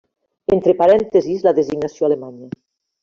Entre parèntesis la designació alemanya.